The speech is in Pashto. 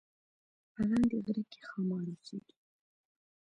په لاندې غره کې ښامار اوسیږي